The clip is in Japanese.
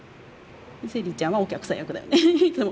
セリちゃんはお客さん役だよねいつも。